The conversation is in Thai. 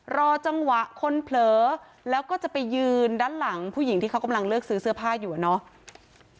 รอจังหวะคนเผลอแล้วก็จะไปยืนด้านหลังผู้หญิงที่เขากำลังเลือกซื้อเสื้อผ้าอยู่อะเนาะ